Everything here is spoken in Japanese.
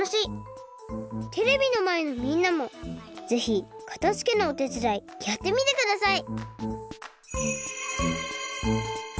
テレビのまえのみんなもぜひかたづけのおてつだいやってみてください！